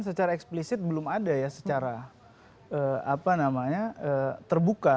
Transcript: secara eksplisit belum ada ya secara apa namanya terbuka